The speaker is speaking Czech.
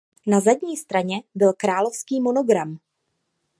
Na zadní straně byl královský monogram.